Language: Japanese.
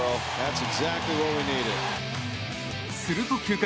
すると、９回。